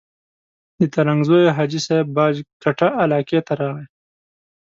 د ترنګزیو حاجي صاحب باج کټه علاقې ته راغی.